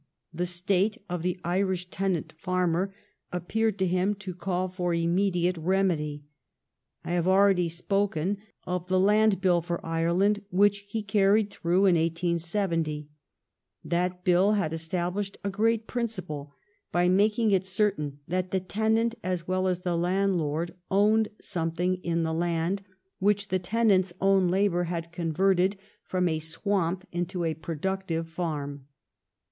The state of the Irish tenant farmer appeared to him to call for imme diate remedy. I have already spoken of the Land Bill for Ireland which he carried through in 1870. That bill had established a great prin ciple by making it certain that the tenant as well as the landlord owned something in the land THE TWO SPHINXES, IRELAND AND EGYPT 337 which the tenant s own labor had converted from a swamp into a productive farm.